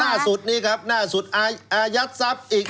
ล่าสุดนี้ครับหน้าสุดอายัดทรัพย์อีก